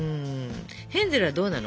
ヘンゼルはどうなの？